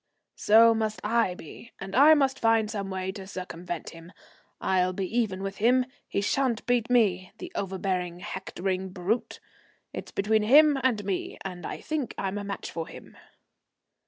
"So must I be, and I must find some way to circumvent him. I'll be even with him. He sha'n't beat me, the overbearing, hectoring brute. It's between him and me, and I think I'm a match for him."